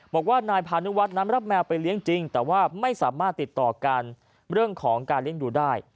บอกว่านายพานุวัฒน์นั้นรับแมวไปเลี้ยงจริงแต่ว่าไม่สามารถติดต่อกันเรื่องของการเลี้ยงดูได้